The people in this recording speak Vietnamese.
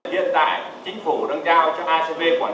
hiện tại chính phủ đang giao cho acv